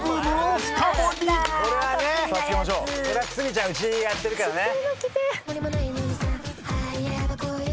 堤ちゃんうちやってるからね。